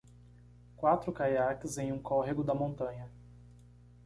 Quatro caiaques em um córrego da montanha.